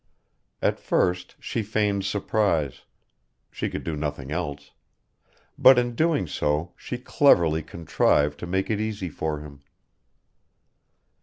At first she feigned surprise she could do nothing else but in doing so she cleverly contrived to make it easy for him.